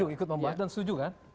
ikut membahas dan setuju kan